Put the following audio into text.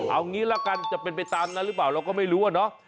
เอางี้ละกันจะเป็นไปตามนั้นหรือเปล่าเราก็ไม่รู้อะเนาะ